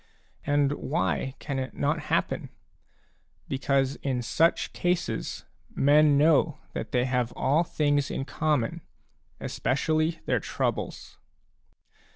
And why can it not happen ? Because in such cases men know that they have all things in common, especially their troubles.